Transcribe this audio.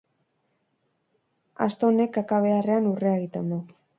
Asto honek kaka beharrean urrea egiten du.